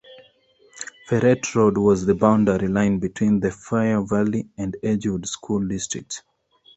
Ferret Road was the boundary line between the Fire Valley and Edgewood school districts.